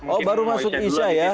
oh baru masuk isa ya